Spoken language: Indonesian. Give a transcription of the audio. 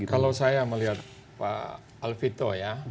kalau saya melihat pak alvito ya